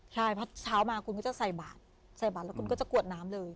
ใช่เพราะเช้ามาคุณก็จะใส่บาทใส่บาทแล้วคุณก็จะกวดน้ำเลย